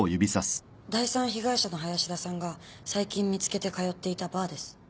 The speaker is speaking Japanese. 第３被害者の林田さんが最近見つけて通っていたバーです。